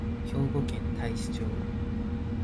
兵庫県太子町